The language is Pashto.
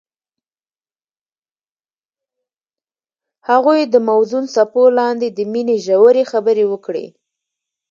هغوی د موزون څپو لاندې د مینې ژورې خبرې وکړې.